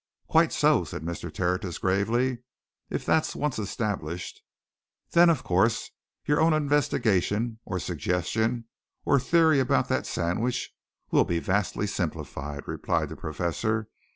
"Quite so," said Mr. Tertius gravely. "If that's once established " "Then, of course, your own investigation, or suggestion, or theory about that sandwich will be vastly simplified," replied the Professor.